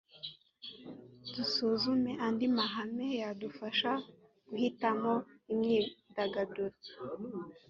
dusuzume andi mahame yadufasha guhitamo imyidagaduro